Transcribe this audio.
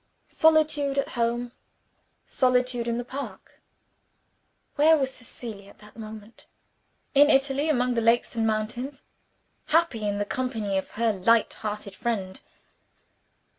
Solitude at home! Solitude in the Park! Where was Cecilia at that moment? In Italy, among the lakes and mountains, happy in the company of her light hearted friend.